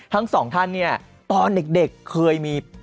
ทั้ง๒ท่านเนี่ยตอนเด็กเคยมีผ้าเน่าไหมคะ